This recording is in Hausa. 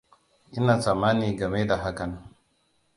Ina tsammani game da hakan.